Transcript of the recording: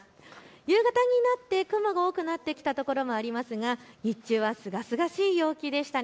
夕方になって雲が多くなってきたところもありますが日中はすがすがしい陽気でした。